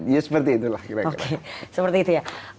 ya seperti itulah